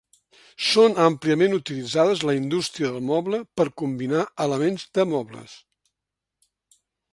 Són àmpliament utilitzades La indústria del moble per combinar elements de mobles.